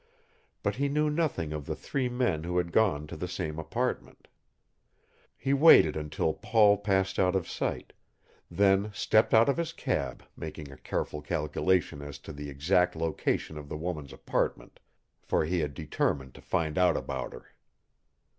But he knew nothing of the three men who had gone to the same apartment. He waited until Paul passed out of sight, then stepped out of his cab, making a careful calculation as to the exact location of the woman's apartment, for he had determined to find out about her.